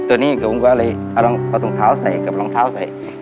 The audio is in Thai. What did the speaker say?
ตัวนี้อะกำลังประชงเท้าใส่กับรองเท้าใส่